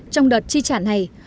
trong đợt chi trả này